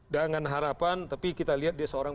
dengan harapan tapi kita lihat dia seorang